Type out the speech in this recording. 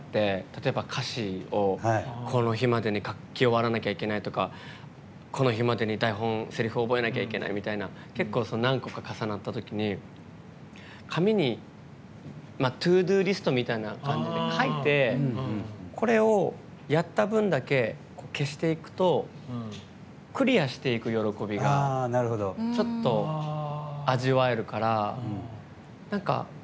例えば、歌詞をこの日までに書き終わらなきゃいけないとかこの日まで、台本せりふ覚えなきゃいけないとか結構、何個か重なった時に紙にＴｏＤｏリストみたいな感じで書いてこれを、やった分だけ消していくとクリアしていく喜びがちょっと味わえるから。